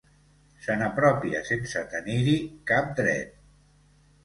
Se n'apropia sense tenir-hi cap dret.